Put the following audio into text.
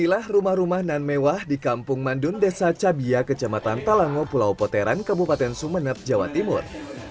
inilah rumah rumah nan mewah di kampung mandun desa cabia kecamatan talango pulau poteran kabupaten sumeneb jawa timur